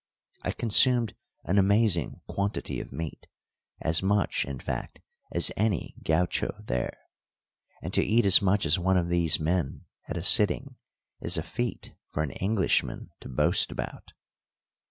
I consumed an amazing quantity of meat, as much, in fact, as any gaucho there; and to eat as much as one of these men at a sitting is a feat for an Englishman to boast about.